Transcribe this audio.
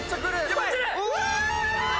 うわ！